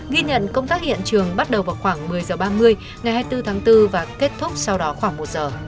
ghi nhận công tác hiện trường bắt đầu vào khoảng một mươi giờ ba mươi ngày hai mươi bốn tháng bốn và kết thúc sau đó khoảng một giờ